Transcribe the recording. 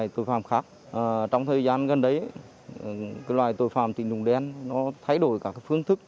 trong thời gian gần đấy loài tội phạm tình trùng đen thay đổi các phương thức